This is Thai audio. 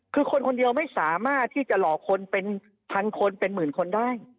คือคนคนเดียวไม่สามารถที่จะหลอกคนเป็นพันคนเป็นหมื่นคนได้